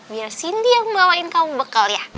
biar cindy yang bawain kamu bekal ya